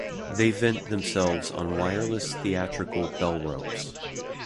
They vent themselves on wireless theatrical bell-ropes.